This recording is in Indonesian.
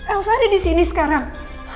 elsa ada di sini sekarang